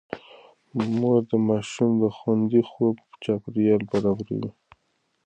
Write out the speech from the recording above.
مور د ماشوم د خوندي خوب چاپېريال برابروي.